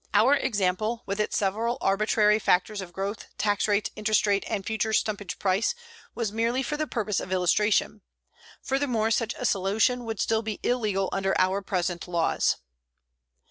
Our example, with its several arbitrary factors of growth, tax rate, interest rate, and future stumpage price, was merely for the purpose of illustration. Furthermore, such a solution would still be illegal under our present laws.